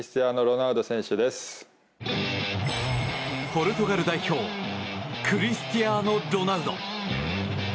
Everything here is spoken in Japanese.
ポルトガル代表クリスティアーノ・ロナウド。